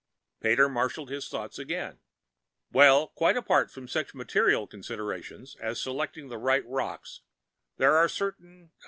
Pater marshaled his thoughts again. "Well, quite apart from such material considerations as selecting the right rocks, there are certain